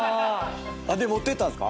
で持ってったんですか？